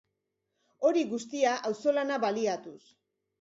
Hori guztia, auzolana baliatuz.